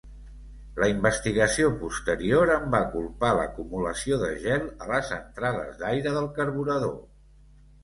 La investigació posterior en va culpar l'acumulació de gel a les entrades d'aire del carburador.